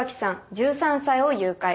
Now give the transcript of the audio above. １３歳を誘拐。